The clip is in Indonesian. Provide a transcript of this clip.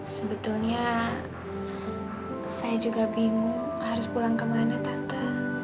sebetulnya saya juga bingung harus pulang kemana tante